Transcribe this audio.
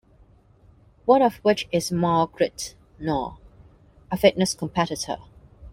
One of which is Margret Gnarr, a fitness competitor.